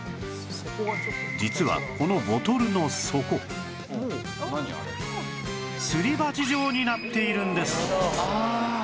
実はこのボトルの底すり鉢状になっているんです